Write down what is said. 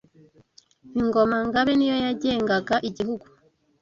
Ingoma–Ngabe niyo yagengaga igihugu